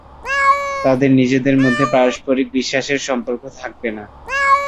তাদের নিজেদের মধ্যে পারস্পরিক বিশ্বাসের সম্পর্ক থাকবে না।